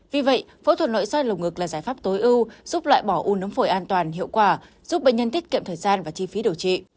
vì vậy phẫu thuật nội soi lồng ngực là giải pháp tối ưu giúp loại bỏ u nấu phổi an toàn hiệu quả giúp bệnh nhân tiết kiệm thời gian và chi phí điều trị